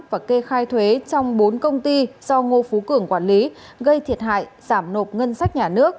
và kê khai thuế trong bốn công ty do ngô phú cường quản lý gây thiệt hại giảm nộp ngân sách nhà nước